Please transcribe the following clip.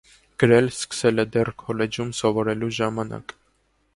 Գրել սկսել է դեռ քոլեջում սովորելու ժամանակ։